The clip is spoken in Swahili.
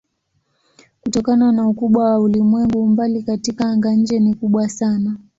Kutokana na ukubwa wa ulimwengu umbali katika anga-nje ni kubwa sana.